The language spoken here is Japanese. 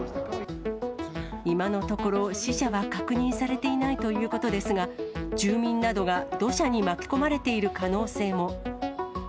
今のところ、死者は確認されていないということですが、住民などが土砂に巻き込まれている可能性も。